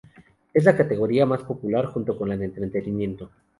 Es la categoría más popular junto con la de entretenimiento.